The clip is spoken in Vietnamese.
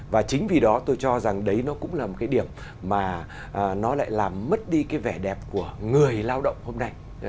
và chính vì đó tôi cho rằng đấy nó cũng là một cái điểm mà nó lại làm mất đi cái vẻ đẹp của người lao động hôm nay